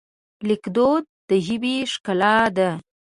لیکدود د ژبې ښکلا ده.